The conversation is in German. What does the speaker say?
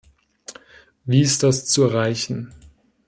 Wie ist das zu erreichen?